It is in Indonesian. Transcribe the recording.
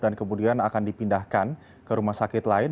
dan kemudian akan dipindahkan ke rumah sakit lain